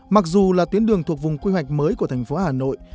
mặc dù là tuyến đường thuộc vùng quy hoạch mới của thành phố hà nội